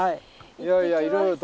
いやいやいろいろと。